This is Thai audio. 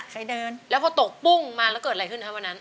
เคยเดินอะแล้วพอโต๊ะปุ้งมาก็เกิดอะไรขึ้นครับวันนั้น